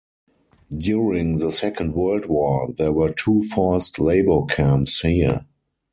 During the Second World War, there were two forced labor camps here.